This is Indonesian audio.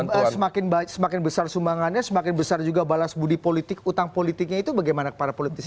semakin besar sumbangannya semakin besar juga balas budi politik utang politiknya itu bagaimana para politisi